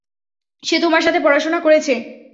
সে তোমার সাথে পড়াশোনা করেছে।